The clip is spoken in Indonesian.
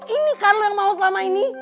ini kan lo yang mau selama ini